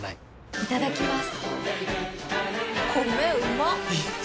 いただきまーす。